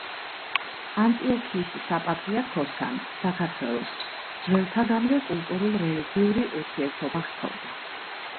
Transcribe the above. ანტიოქიის საპატრიარქოსთან საქართველოს ძველთაგანვე კულტურულ-რელიგიური ურთიერთობა ჰქონდა.